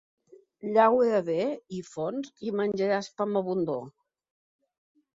Llaura bé i fons i menjaràs pa amb abundor.